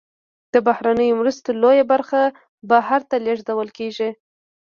د بهرنیو مرستو لویه برخه بهر ته لیږدول کیږي.